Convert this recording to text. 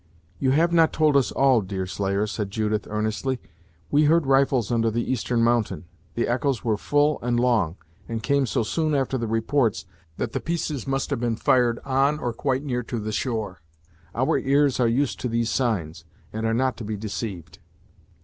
"You have not told us all, Deerslayer," said Judith earnestly. "We heard rifles under the eastern mountain; the echoes were full and long, and came so soon after the reports, that the pieces must have been fired on or quite near to the shore. Our ears are used to these signs, and are not to be deceived."